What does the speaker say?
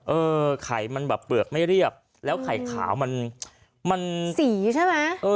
เออไข่มันแบบเปลือกไม่เรียบแล้วไข่ขาวมันสีใช่ไหม